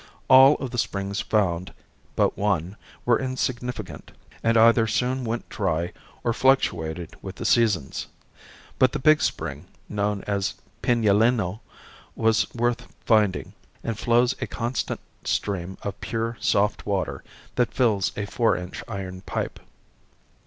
All of the springs found, but one, were insignificant and either soon went dry or fluctuated with the seasons; but the big spring, known as Pinaleno, was worth finding, and flows a constant stream of pure, soft water that fills a four inch iron pipe.